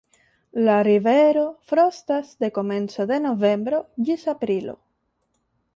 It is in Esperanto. La rivero frostas de komenco de novembro ĝis aprilo.